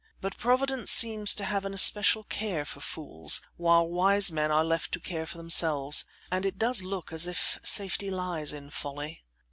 But Providence seems to have an especial care for fools, while wise men are left to care for themselves, and it does look as if safety lies in folly.